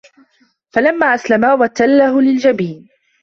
فَلَمّا أَسلَما وَتَلَّهُ لِلجَبينِ